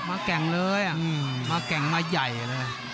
แก่งเลยมาแก่งมาใหญ่เลย